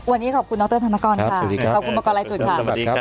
วันนี้ขอบคุณนธนกรครับสวัสดีครับขอบคุณมลายจุดครับ